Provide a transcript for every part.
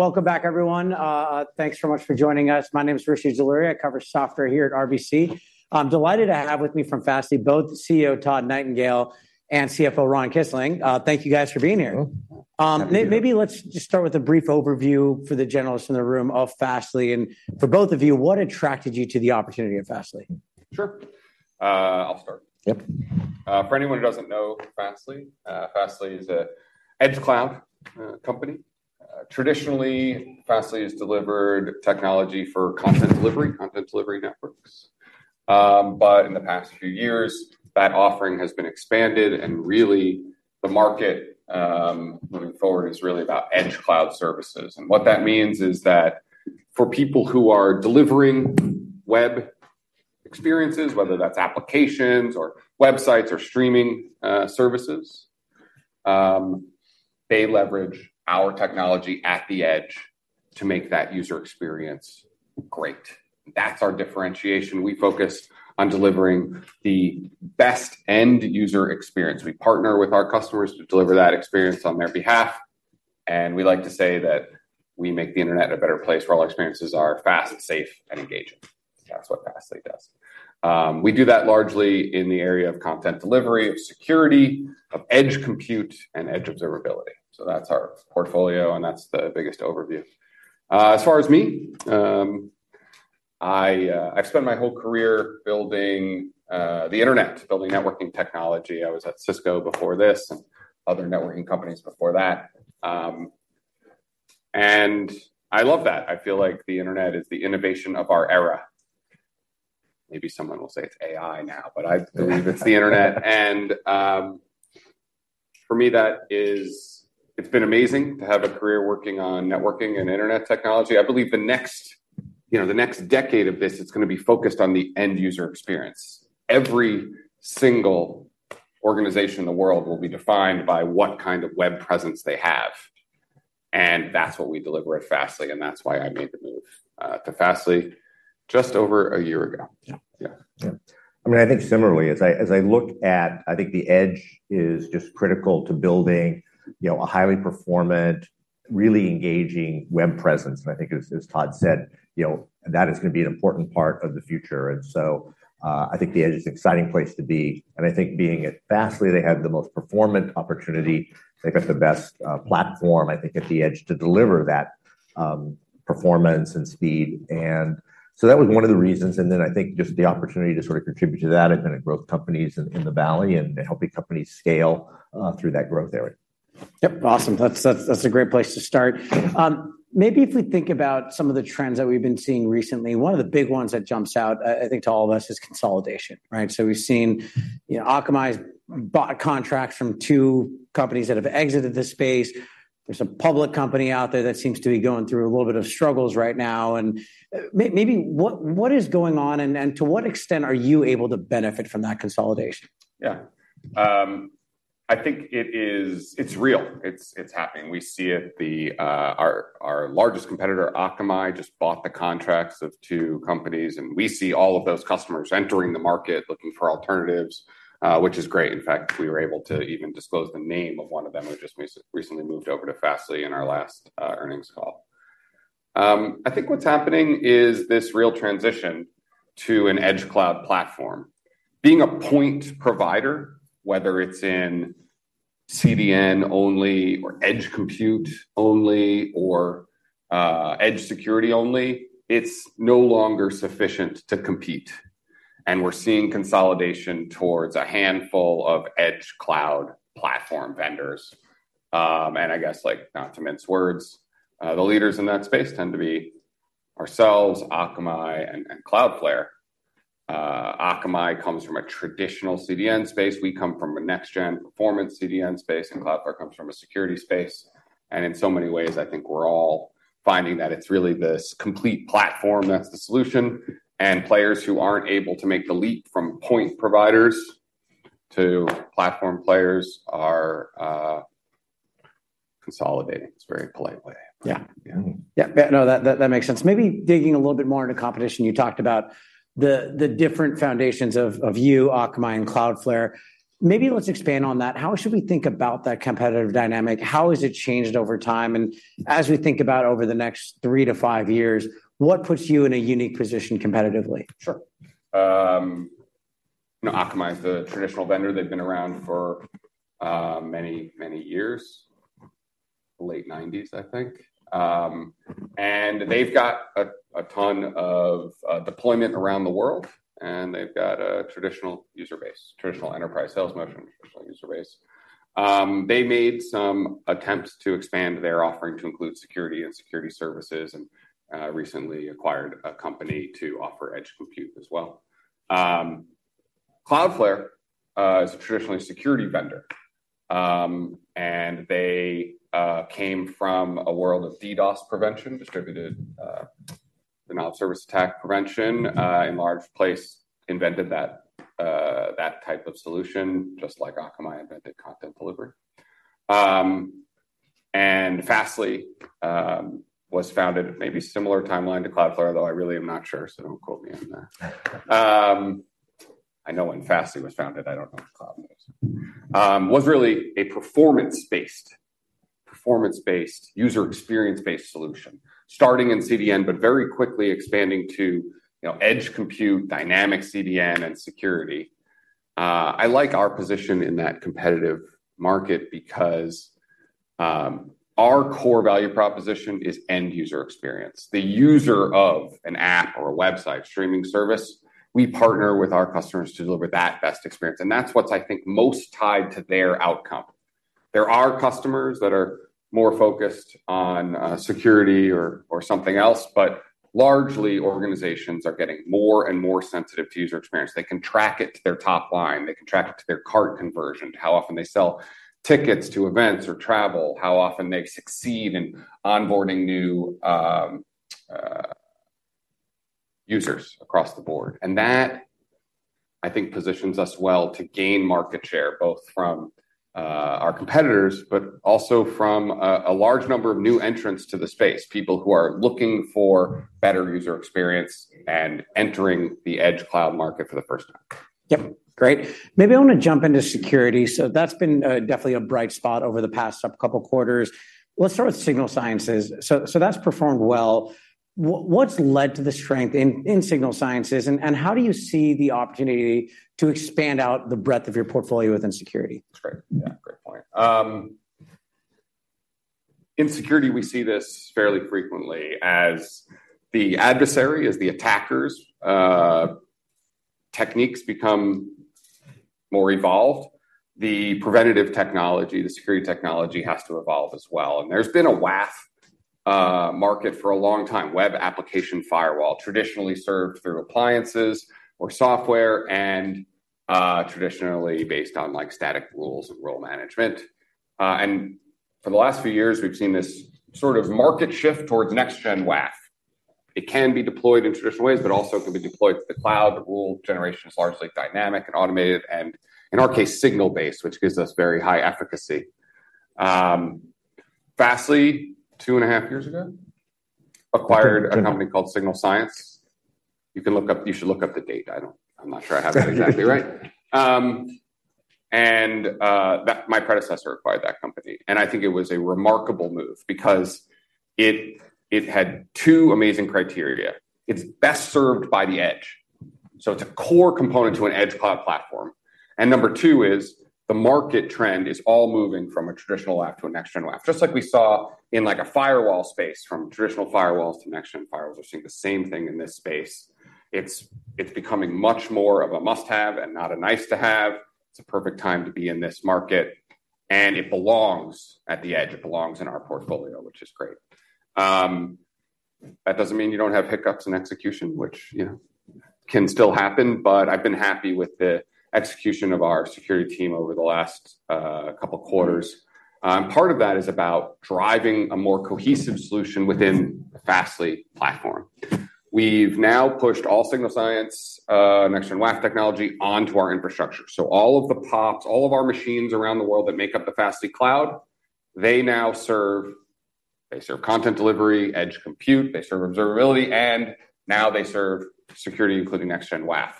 Welcome back, everyone. Thanks so much for joining us. My name is Rishi Jaluria. I cover software here at RBC. I'm delighted to have with me from Fastly, both CEO, Todd Nightingale, and CFO, Ron Kisling. Thank you guys for being here. Welcome. Happy to be here. Maybe let's just start with a brief overview for the generalists in the room of Fastly, and for both of you, what attracted you to the opportunity at Fastly? Sure. I'll start. Yep. For anyone who doesn't know Fastly, Fastly is an Edge Cloud company. Traditionally, Fastly has delivered technology for content delivery, content delivery networks. In the past few years, that offering has been expanded, and really, the market moving forward is really about Edge Cloud services. What that means is that for people who are delivering web experiences, whether that's applications, or websites, or streaming services, they leverage our technology at the edge to make that user experience great. That's our differentiation. We focus on delivering the best end-user experience. We partner with our customers to deliver that experience on their behalf, and we like to say that we make the internet a better place where all experiences are fast, safe, and engaging. That's what Fastly does. We do that largely in the area of content delivery, of security, of edge compute, and edge observability. So that's our portfolio, and that's the biggest overview. As far as me, I've spent my whole career building the internet, building networking technology. I was at Cisco before this, and other networking companies before that. And I love that. I feel like the internet is the innovation of our era. Maybe someone will say it's AI now, but I believe it's the internet. And, for me, that is, it's been amazing to have a career working on networking and internet technology. I believe the next, you know, the next decade of this, it's gonna be focused on the end-user experience. Every single organization in the world will be defined by what kind of web presence they have, and that's what we deliver at Fastly, and that's why I made the move to Fastly just over a year ago. Yeah. Yeah. Yeah. I mean, I think similarly, as I look at—I think the edge is just critical to building, you know, a highly performant, really engaging web presence. And I think, as Todd said, you know, that is gonna be an important part of the future. And so, I think the edge is an exciting place to be, and I think being at Fastly, they have the most performant opportunity. They've got the best platform, I think, at the edge to deliver that performance and speed, and so that was one of the reasons. And then I think just the opportunity to sort of contribute to that. I've been at growth companies in the Valley, and helping companies scale through that growth area. Yep, awesome. That's a great place to start. Maybe if we think about some of the trends that we've been seeing recently, one of the big ones that jumps out, I think to all of us, is consolidation, right? So we've seen, you know, Akamai's bought contracts from two companies that have exited the space. There's a public company out there that seems to be going through a little bit of struggles right now. And maybe what is going on, and to what extent are you able to benefit from that consolidation? Yeah. I think it is. It's real. It's happening. We see it. Our largest competitor, Akamai, just bought the contracts of two companies, and we see all of those customers entering the market, looking for alternatives, which is great. In fact, we were able to even disclose the name of one of them who just recently moved over to Fastly in our last earnings call. I think what's happening is this real transition to an edge cloud platform. Being a point provider, whether it's in CDN only, or edge compute only, or edge security only, it's no longer sufficient to compete, and we're seeing consolidation towards a handful of edge cloud platform vendors. I guess, like, not to mince words, the leaders in that space tend to be ourselves, Akamai, and Cloudflare. Akamai comes from a traditional CDN space, we come from a next-gen performance CDN space, and Cloudflare comes from a security space. In so many ways, I think we're all finding that it's really this complete platform that's the solution, and players who aren't able to make the leap from point providers to platform players are consolidating. It's a very polite way. Yeah. Yeah. Yeah, yeah. No, that makes sense. Maybe digging a little bit more into competition, you talked about the different foundations of you, Akamai, and Cloudflare. Maybe let's expand on that. How should we think about that competitive dynamic? How has it changed over time? And as we think about over the next three to five years, what puts you in a unique position competitively? Sure. You know, Akamai is the traditional vendor. They've been around for many, many years, late 1990s, I think. And they've got a ton of deployment around the world, and they've got a traditional user base, traditional enterprise sales motion, traditional user base. They made some attempts to expand their offering to include security and security services, and recently acquired a company to offer edge compute as well. Cloudflare is traditionally a security vendor, and they came from a world of DDoS prevention, distributed denial of service attack prevention, on a large scale, invented that type of solution, just like Akamai invented content delivery. And Fastly was founded maybe similar timeline to Cloudflare, though I really am not sure, so don't quote me on that.... I know when Fastly was founded, I don't know when the cloud was. was really a performance-based, user experience-based solution, starting in CDN, but very quickly expanding to, you know, edge compute, dynamic CDN, and security. I like our position in that competitive market because, our core value proposition is end-user experience. The user of an app or a website streaming service, we partner with our customers to deliver that best experience, and that's what's, I think, most tied to their outcome. There are customers that are more focused on, security or something else, but largely, organizations are getting more and more sensitive to user experience. They can track it to their top line. They can track it to their cart conversion, to how often they sell tickets to events or travel, how often they succeed in onboarding new users across the board. That, I think, positions us well to gain market share, both from our competitors, but also from a large number of new entrants to the space, people who are looking for better user experience and entering the edge cloud market for the first time. Yep. Great. Maybe I want to jump into security. So that's been definitely a bright spot over the past couple quarters. Let's start with Signal Sciences. So, so that's performed well. What's led to the strength in Signal Sciences, and how do you see the opportunity to expand out the breadth of your portfolio within security? That's great. Yeah, great point. In security, we see this fairly frequently as the adversary, as the attackers', techniques become more evolved, the preventative technology, the security technology has to evolve as well, and there's been a WAF market for a long time. Web application firewall, traditionally served through appliances or software, and traditionally based on, like, static rules and rule management. And for the last few years, we've seen this sort of market shift towards next-gen WAF. It can be deployed in traditional ways, but also can be deployed to the cloud. The rule generation is largely dynamic and automated, and in our case, signal-based, which gives us very high efficacy. Fastly, 2.5 years ago, acquired a company called Signal Sciences. You can look up—you should look up the date. I don't... I'm not sure I have it exactly right. My predecessor acquired that company, and I think it was a remarkable move because it, it had two amazing criteria. It's best served by the edge, so it's a core component to an edge cloud platform. And number two is, the market trend is all moving from a traditional WAF to a next-gen WAF. Just like we saw in, like, a firewall space, from traditional firewalls to next-gen firewalls, we're seeing the same thing in this space. It's, it's becoming much more of a must-have and not a nice-to-have. It's a perfect time to be in this market, and it belongs at the edge. It belongs in our portfolio, which is great. That doesn't mean you don't have hiccups in execution, which, you know, can still happen, but I've been happy with the execution of our security team over the last couple quarters. Part of that is about driving a more cohesive solution within Fastly platform. We've now pushed all Signal Sciences next-gen WAF technology onto our infrastructure. So all of the POPs, all of our machines around the world that make up the Fastly cloud, they now serve, they serve content delivery, edge compute, they serve observability, and now they serve security, including next-gen WAF.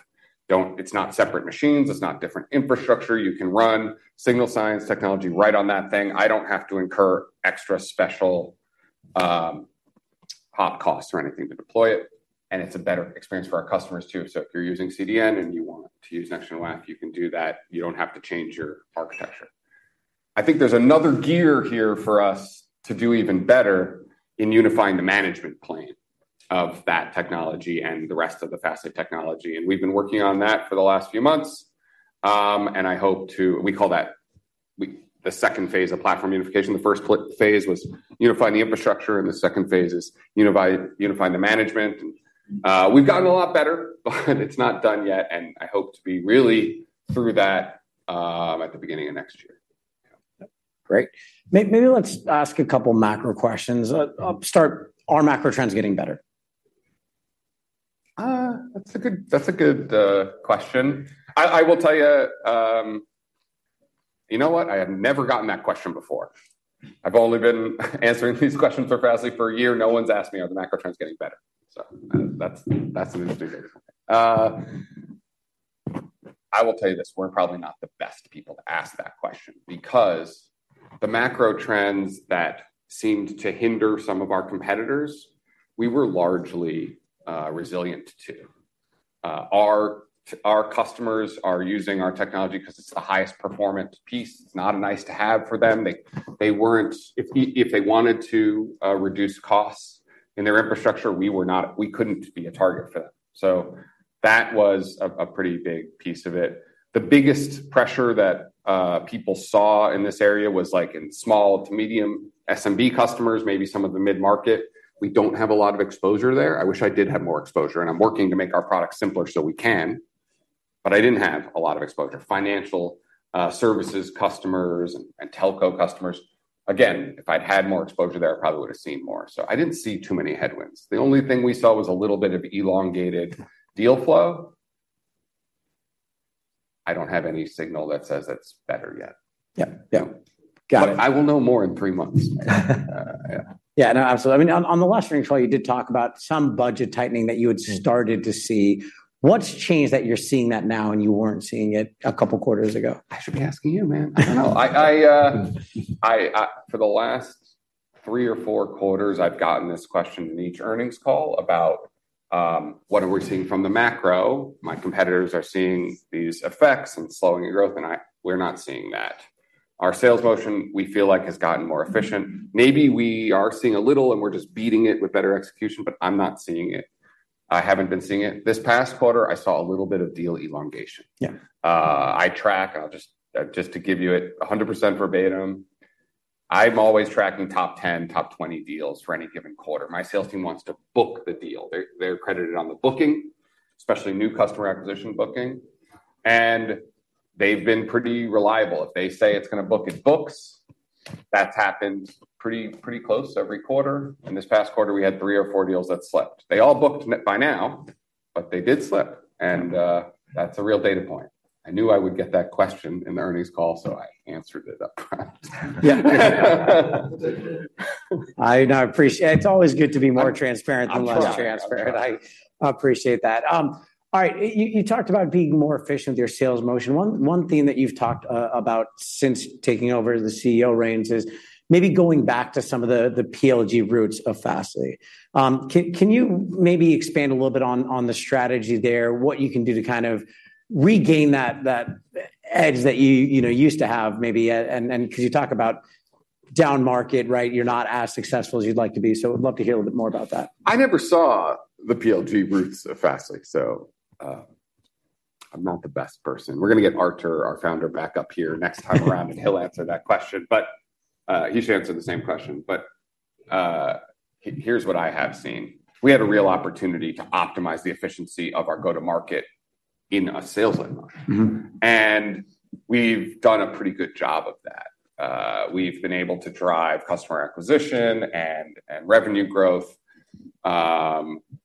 It's not separate machines, it's not different infrastructure. You can run Signal Sciences technology right on that thing. I don't have to incur extra special POP costs or anything to deploy it, and it's a better experience for our customers, too. So if you're using CDN, and you want to use next-gen WAF, you can do that. You don't have to change your architecture. I think there's another gear here for us to do even better in unifying the management plane of that technology and the rest of the Fastly technology, and we've been working on that for the last few months. And I hope to—we call that the second phase of platform unification. The first phase was unifying the infrastructure, and the second phase is unifying the management. And, we've gotten a lot better, but it's not done yet, and I hope to be really through that, at the beginning of next year. Yep. Great. Maybe let's ask a couple macro questions. I'll start, are macro trends getting better? That's a good, that's a good question. I will tell you, you know what? I have never gotten that question before. I've only been answering these questions for Fastly for a year. No one's asked me, "Are the macro trends getting better?" So that's an interesting thing. I will tell you this, we're probably not the best people to ask that question because the macro trends that seemed to hinder some of our competitors, we were largely resilient to. Our customers are using our technology 'cause it's the highest performance piece. It's not a nice to have for them. They weren't-- If they wanted to reduce costs in their infrastructure, we were not-- we couldn't be a target for them, so that was a pretty big piece of it. The biggest pressure that people saw in this area was, like, in small to medium SMB customers, maybe some of the mid-market. We don't have a lot of exposure there. I wish I did have more exposure, and I'm working to make our products simpler so we can, but I didn't have a lot of exposure. Financial services customers and telco customers, again, if I'd had more exposure there, I probably would've seen more. So I didn't see too many headwinds. The only thing we saw was a little bit of elongated deal flow. I don't have any signal that says that's better yet. Yeah, yeah. Got it. But I will know more in three months. Yeah. Yeah, no, absolutely. I mean, on the last earnings call, you did talk about some budget tightening that you had started to see. What's changed that you're seeing that now, and you weren't seeing it a couple quarters ago? I should be asking you, man. I don't know. I for the last three or four quarters, I've gotten this question in each earnings call about what are we seeing from the macro. My competitors are seeing these effects and slowing of growth, and we're not seeing that. Our sales motion, we feel like, has gotten more efficient. Maybe we are seeing a little, and we're just beating it with better execution, but I'm not seeing it. I haven't been seeing it. This past quarter, I saw a little bit of deal elongation. Yeah. I'll just, just to give you it 100% verbatim, I'm always tracking top 10, top 20 deals for any given quarter. My sales team wants to book the deal. They're credited on the booking, especially new customer acquisition booking, and they've been pretty reliable. If they say it's gonna book, it books. That's happened pretty close every quarter, and this past quarter, we had three or four deals that slipped. They all booked by now, but they did slip, and that's a real data point. I knew I would get that question in the earnings call, so I answered it upfront. Yeah. I, I appreciate... It's always good to be more transparent- I'm trying. -than less transparent. I appreciate that. All right, you talked about being more efficient with your sales motion. One theme that you've talked about since taking over the CEO reins is maybe going back to some of the PLG roots of Fastly. Can you maybe expand a little bit on the strategy there, what you can do to kind of regain that edge that you know used to have maybe? And could you talk about downmarket, right? You're not as successful as you'd like to be, so I'd love to hear a little bit more about that. I never saw the PLG roots of Fastly, so I'm not the best person. We're gonna get Artur, our founder, back up here next time around, and he'll answer that question. But he should answer the same question, but here's what I have seen. We have a real opportunity to optimize the efficiency of our go-to-market in a sales environment. Mm-hmm. We've done a pretty good job of that. We've been able to drive customer acquisition and, and revenue growth,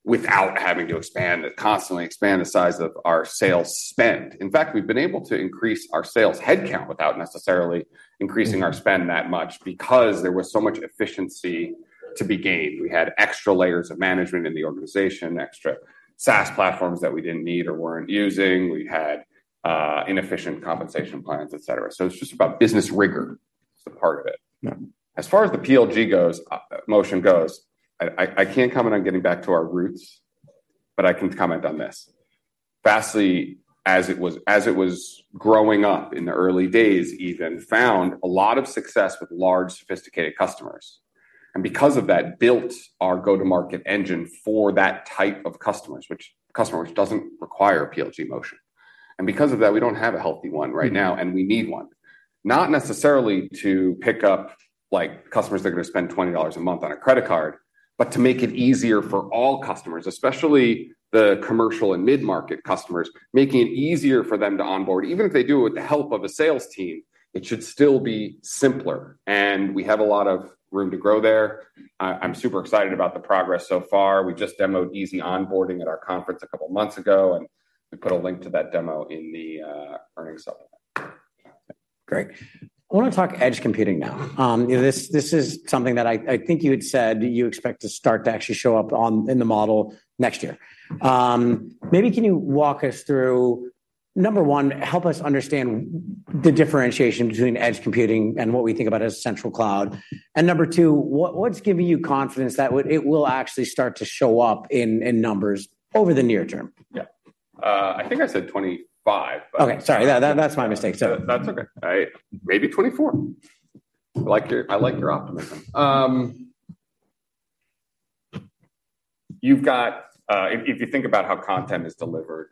without having to expand, constantly expand the size of our sales spend. In fact, we've been able to increase our sales headcount without necessarily increasing our spend that much because there was so much efficiency to be gained. We had extra layers of management in the organization, extra SaaS platforms that we didn't need or weren't using. We had, inefficient compensation plans, et cetera. So it's just about business rigor, is the part of it. Yeah. As far as the PLG motion goes, I can't comment on getting back to our roots, but I can comment on this. Fastly, as it was growing up in the early days, even found a lot of success with large, sophisticated customers, and because of that, built our go-to-market engine for that type of customers, which customers doesn't require PLG motion. And because of that, we don't have a healthy one right now, and we need one. Not necessarily to pick up, like, customers that are gonna spend $20 a month on a credit card, but to make it easier for all customers, especially the commercial and mid-market customers, making it easier for them to onboard. Even if they do it with the help of a sales team, it should still be simpler, and we have a lot of room to grow there. I, I'm super excited about the progress so far. We just demoed easy onboarding at our conference a couple of months ago, and we put a link to that demo in the earnings supplement. Great. I wanna talk edge computing now. You know, this is something that I think you had said you expect to start to actually show up on, in the model next year. Maybe can you walk us through, number one, help us understand the differentiation between edge computing and what we think about as central cloud. And number two, what's giving you confidence that it will actually start to show up in numbers over the near term? Yeah. I think I said 25. Okay, sorry. That's my mistake, so- That's okay. Maybe 24. I like your optimism. If you think about how content is delivered,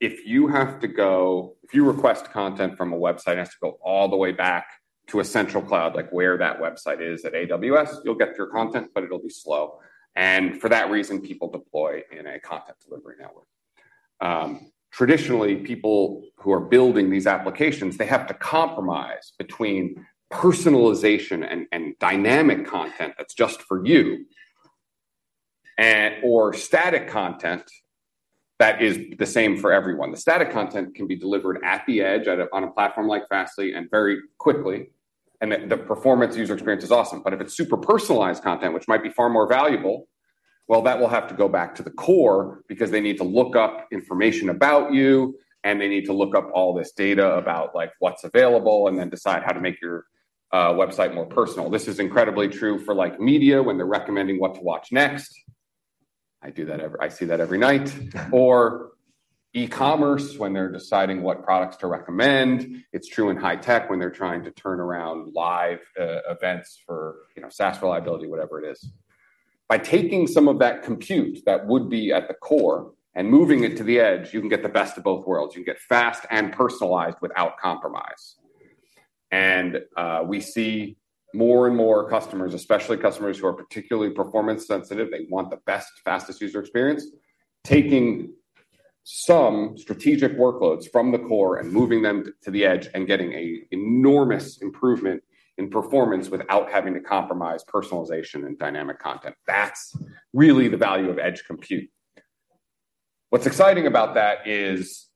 if you request content from a website, it has to go all the way back to a central cloud, like where that website is. At AWS, you'll get your content, but it'll be slow, and for that reason, people deploy in a content delivery network. Traditionally, people who are building these applications, they have to compromise between personalization and dynamic content that's just for you, or static content that is the same for everyone. The static content can be delivered at the edge, on a platform like Fastly, and very quickly, and the performance user experience is awesome. But if it's super personalized content, which might be far more valuable, well, that will have to go back to the core because they need to look up information about you, and they need to look up all this data about, like, what's available, and then decide how to make your website more personal. This is incredibly true for, like, media, when they're recommending what to watch next. I see that every night. Or e-commerce, when they're deciding what products to recommend. It's true in high tech, when they're trying to turn around live events for, you know, SaaS reliability, whatever it is. By taking some of that compute that would be at the core and moving it to the edge, you can get the best of both worlds. You can get fast and personalized without compromise. We see more and more customers, especially customers who are particularly performance sensitive. They want the best, fastest user experience, taking some strategic workloads from the core and moving them to the edge and getting an enormous improvement in performance without having to compromise personalization and dynamic content. That's really the value of edge compute. What's exciting about that is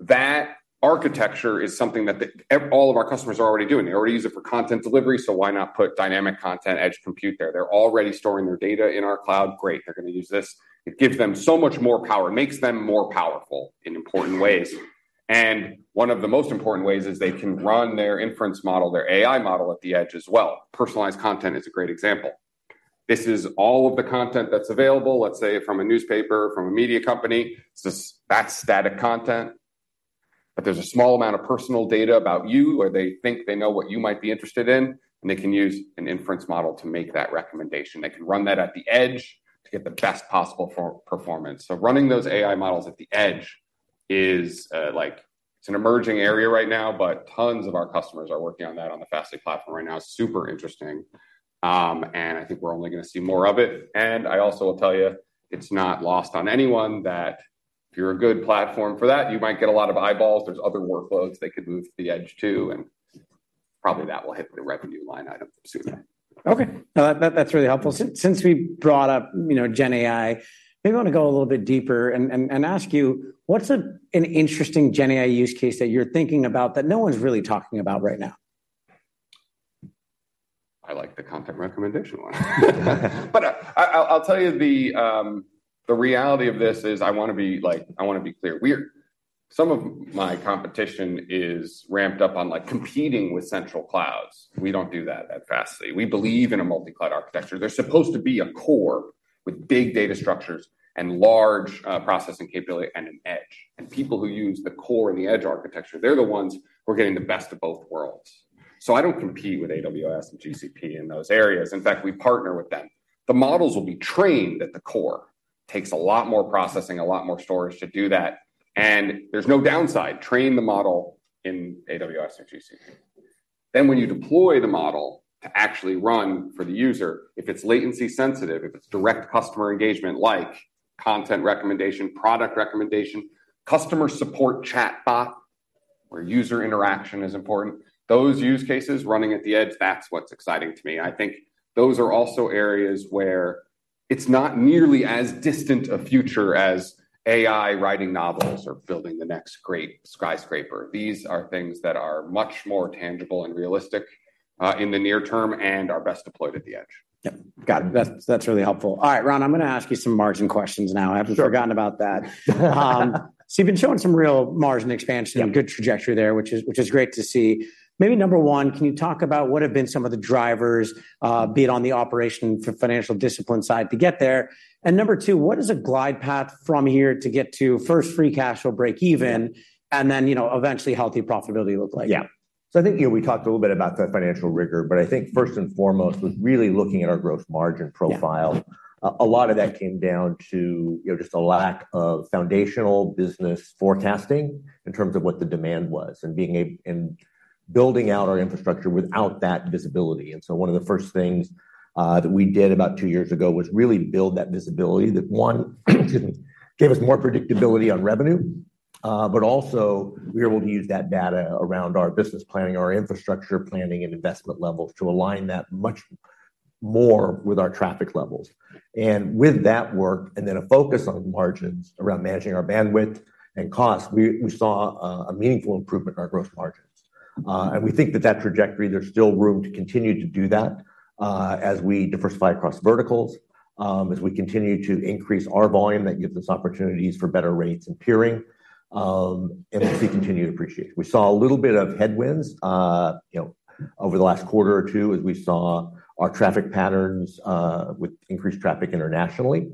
that architecture is something that all of our customers are already doing. They already use it for content delivery, so why not put dynamic content edge compute there? They're already storing their data in our cloud. Great, they're gonna use this. It gives them so much more power. It makes them more powerful in important ways. And one of the most important ways is they can run their inference model, their AI model at the edge as well. Personalized content is a great example. This is all of the content that's available, let's say, from a newspaper, from a media company. So that's static content. But there's a small amount of personal data about you, where they think they know what you might be interested in, and they can use an inference model to make that recommendation. They can run that at the edge to get the best possible for performance. So running those AI models at the edge is, like, it's an emerging area right now, but tons of our customers are working on that on the Fastly platform right now. Super interesting. I think we're only gonna see more of it. I also will tell you, it's not lost on anyone that if you're a good platform for that, you might get a lot of eyeballs. There's other workloads that could move to the edge, too, and probably that will hit the revenue line item soon. Yeah. Okay, now that, that's really helpful. Since we brought up, you know, GenAI, maybe I want to go a little bit deeper and ask you, what's an interesting GenAI use case that you're thinking about that no one's really talking about right now? I like the content recommendation one. But I'll tell you the reality of this is I wanna be like, I wanna be clear. Some of my competition is ramped up on, like, competing with central clouds. We don't do that at Fastly. We believe in a multi-cloud architecture. There's supposed to be a core with big data structures and large processing capability and an edge. And people who use the core and the edge architecture, they're the ones who are getting the best of both worlds. So I don't compete with AWS and GCP in those areas. In fact, we partner with them. The models will be trained at the core. Takes a lot more processing, a lot more storage to do that, and there's no downside. Train the model in AWS or GCP. Then, when you deploy the model to actually run for the user, if it's latency sensitive, if it's direct customer engagement, like content recommendation, product recommendation, customer support chatbot, where user interaction is important, those use cases running at the edge, that's what's exciting to me. I think those are also areas where it's not nearly as distant a future as AI writing novels or building the next great skyscraper. These are things that are much more tangible and realistic, in the near term and are best deployed at the edge. Yep. Got it. That's, that's really helpful. All right, Ron, I'm gonna ask you some margin questions now. Sure. I haven't forgotten about that. So you've been showing some real margin expansion- Yep... and good trajectory there, which is, which is great to see. Maybe number one, can you talk about what have been some of the drivers, be it on the operation for financial discipline side to get there? And number two, what is a glide path from here to get to first free cash or break even- Yeah... and then, you know, eventually healthy profitability look like? Yeah. So I think, you know, we talked a little bit about the financial rigor, but I think first and foremost was really looking at our gross margin profile. Yeah. A lot of that came down to, you know, just a lack of foundational business forecasting in terms of what the demand was and being able and building out our infrastructure without that visibility. And so one of the first things that we did about two years ago was really build that visibility that gave us more predictability on revenue, but also we were able to use that data around our business planning, our infrastructure planning, and investment levels to align that much more with our traffic levels. And with that work, and then a focus on margins around managing our bandwidth and cost, we saw a meaningful improvement in our gross margins. And we think that that trajectory, there's still room to continue to do that, as we diversify across verticals, as we continue to increase our volume, that gives us opportunities for better rates and peering, and we see continued appreciation. We saw a little bit of headwinds, you know, over the last quarter or two, as we saw our traffic patterns, with increased traffic internationally.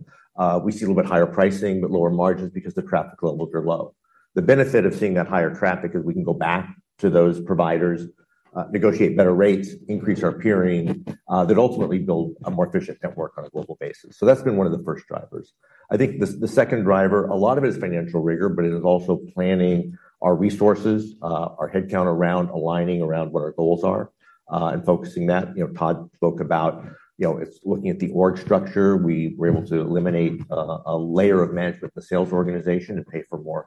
We see a little bit higher pricing, but lower margins because the traffic levels are low. The benefit of seeing that higher traffic is we can go back to those providers, negotiate better rates, increase our peering, then ultimately build a more efficient network on a global basis. So that's been one of the first drivers. I think the second driver, a lot of it is financial rigor, but it is also planning our resources, our headcount around aligning around what our goals are, and focusing that. You know, Todd spoke about, you know, it's looking at the org structure. We were able to eliminate a layer of management from the sales organization and pay for more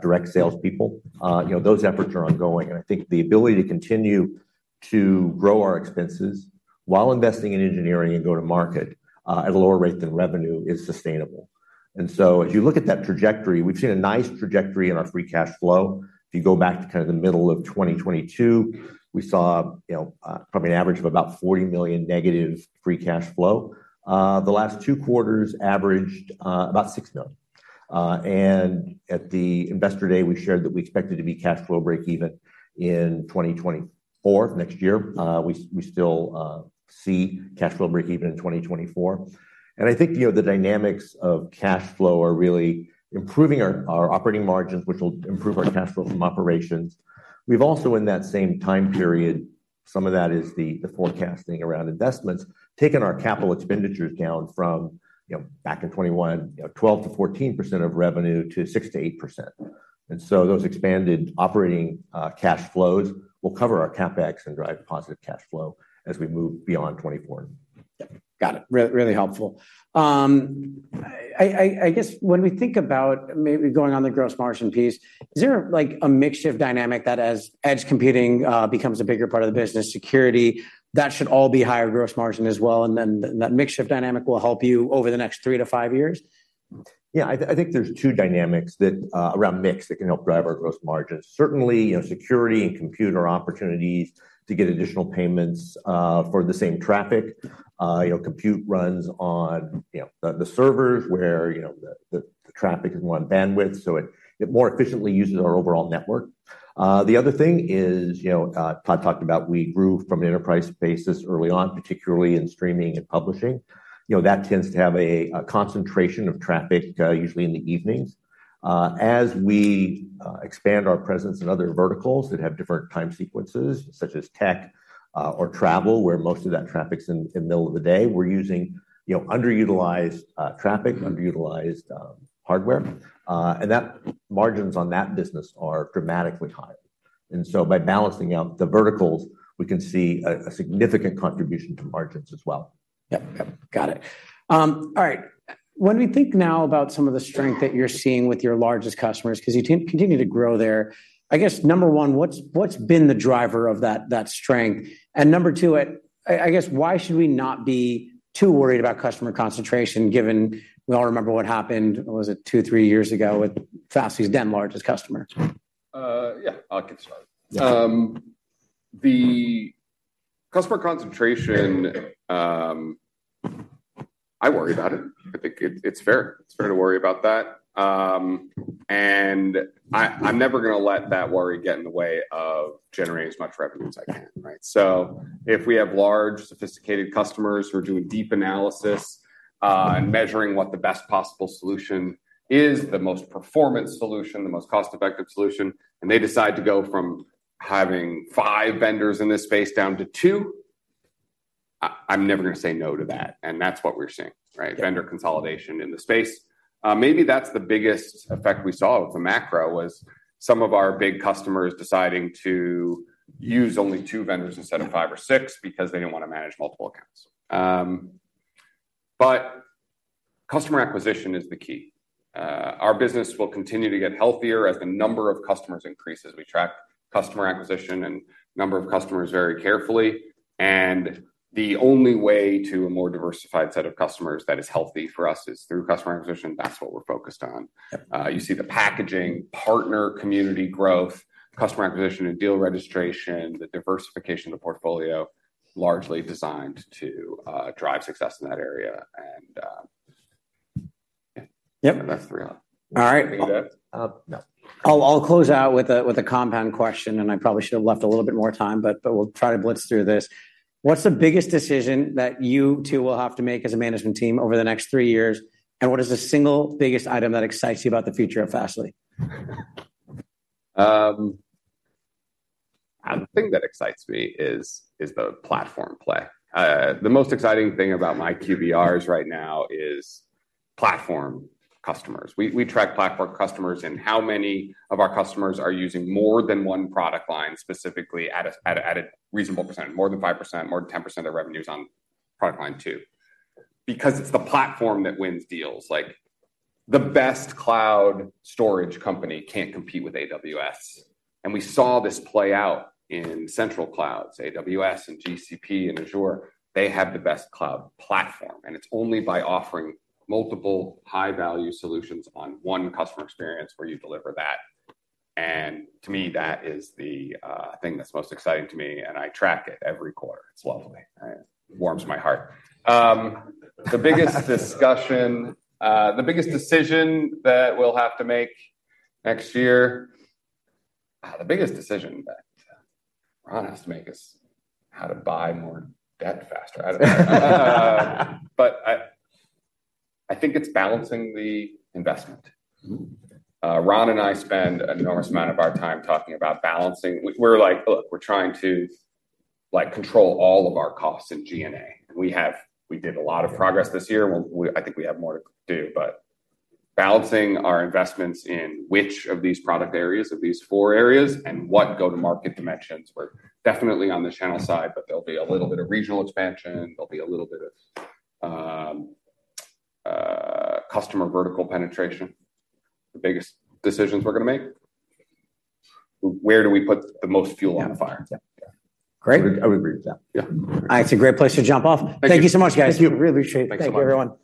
direct salespeople. You know, those efforts are ongoing, and I think the ability to continue to grow our expenses while investing in engineering and go to market at a lower rate than revenue is sustainable. And so as you look at that trajectory, we've seen a nice trajectory in our free cash flow. If you go back to kind of the middle of 2022, we saw, you know, probably an average of about $40 million negative free cash flow. The last two quarters averaged about $6 million. At the Investor Day, we shared that we expected to be cash flow break even in 2024, next year. We still see cash flow break even in 2024. And I think, you know, the dynamics of cash flow are really improving our operating margins, which will improve our cash flow from operations. We've also, in that same time period, some of that is the forecasting around investments, taken our capital expenditures down from, you know, back in 2021, you know, 12%-14% of revenue to 6%-8%. And so those expanded operating cash flows will cover our CapEx and drive positive cash flow as we move beyond 2024. Yep. Got it. Really helpful. I guess when we think about maybe going on the gross margin piece, is there, like, a mix shift dynamic that as edge computing becomes a bigger part of the business, security, that should all be higher gross margin as well, and then that mix shift dynamic will help you over the next three-five years?... Yeah, I think there's two dynamics that around mix that can help drive our gross margins. Certainly, you know, security and compute are opportunities to get additional payments for the same traffic. You know, compute runs on the servers where the traffic is more on bandwidth, so it more efficiently uses our overall network. The other thing is, you know, Todd talked about we grew from an enterprise basis early on, particularly in streaming and publishing. You know, that tends to have a concentration of traffic usually in the evenings. As we expand our presence in other verticals that have different time sequences, such as tech or travel, where most of that traffic's in the middle of the day, we're using, you know, underutilized traffic, underutilized hardware. And that margins on that business are dramatically higher. And so by balancing out the verticals, we can see a significant contribution to margins as well. Yep. Yep, got it. All right. When we think now about some of the strength that you're seeing with your largest customers, 'cause you continue to grow there, I guess, number one, what's been the driver of that strength? And number two, I guess, why should we not be too worried about customer concentration, given we all remember what happened, was it 2-3 years ago with Fastly's then largest customer? Yeah, I'll get started. Yeah. The customer concentration, I worry about it. I think it, it's fair. It's fair to worry about that. I'm never gonna let that worry get in the way of generating as much revenue as I can, right? If we have large, sophisticated customers who are doing deep analysis, and measuring what the best possible solution is, the most performance solution, the most cost-effective solution, and they decide to go from having five vendors in this space down to two, I'm never gonna say no to that, and that's what we're seeing, right? Yeah. Vendor consolidation in the space. Maybe that's the biggest effect we saw with the macro, was some of our big customers deciding to use only two vendors instead of five or six, because they didn't want to manage multiple accounts. But customer acquisition is the key. Our business will continue to get healthier as the number of customers increases. We track customer acquisition and number of customers very carefully, and the only way to a more diversified set of customers that is healthy for us is through customer acquisition. That's what we're focused on. Yep. You see the packaging, partner, community growth, customer acquisition, and deal registration, the diversification of the portfolio, largely designed to drive success in that area. And... Yep. That's three. All right. I think that- I'll close out with a compound question, and I probably should have left a little bit more time, but we'll try to blitz through this. What's the biggest decision that you two will have to make as a management team over the next three years, and what is the single biggest item that excites you about the future of Fastly? The thing that excites me is the platform play. The most exciting thing about my QBRs right now is platform customers. We track platform customers and how many of our customers are using more than one product line, specifically a reasonable percent, more than 5%, more than 10% of revenues on product line two. Because it's the platform that wins deals. Like, the best cloud storage company can't compete with AWS. We saw this play out in central clouds, AWS and GCP and Azure, they have the best cloud platform, and it's only by offering multiple high-value solutions on one customer experience where you deliver that. To me, that is the thing that's most exciting to me, and I track it every quarter. It's lovely, right? Warms my heart. The biggest discussion, the biggest decision that we'll have to make next year... The biggest decision that Ron has to make is how to buy more debt faster. I don't know. But I think it's balancing the investment. Mm-hmm. Ron and I spend an enormous amount of our time talking about balancing. We're like, look, we're trying to, like, control all of our costs in G&A. We did a lot of progress this year, and we, I think we have more to do, but balancing our investments in which of these product areas, of these four areas, and what go-to-market dimensions. We're definitely on the channel side, but there'll be a little bit of regional expansion, there'll be a little bit of customer vertical penetration. The biggest decisions we're gonna make, where do we put the most fuel on the fire? Yeah. Yeah. Great. I would agree with that. Yeah. It's a great place to jump off. Thank you. Thank you so much, guys. Thank you. Really appreciate it. Thanks so much. Thank you, everyone.